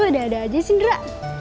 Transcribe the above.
lo ada ada aja sih ndra